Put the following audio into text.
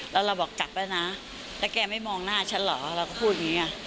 แล้วเราบอกกลับแล้วนะแล้วแกไม่มองหน้าฉันเหรอเราก็พูดอย่างนี้